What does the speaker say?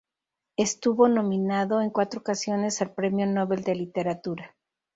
Estuvo nominado en cuatro ocasiones al Premio Nobel de Literatura.